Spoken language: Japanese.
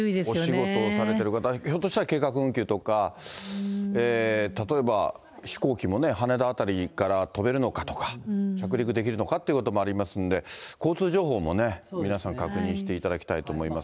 お仕事をされてる方、ひょっとしたら計画運休とか、例えば飛行機もね、羽田辺りから飛べるのかとか、着陸できるのかというところもありますので、交通情報もね、皆さん確認していただきたいと思います。